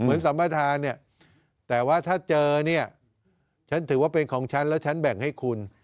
สัมประธานเนี่ยแต่ว่าถ้าเจอเนี่ยฉันถือว่าเป็นของฉันแล้วฉันแบ่งให้คุณ